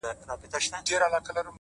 ورځيني ليري گرځــم ليــري گــرځــــم ـ